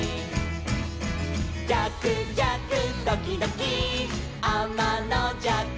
「じゃくじゃくドキドキあまのじゃく」